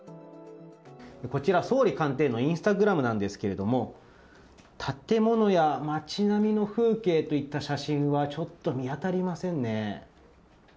こちら、総理官邸のインスタグラムなんですけれども建物や街並みの風景といった写真はちょっと見当たりませんね。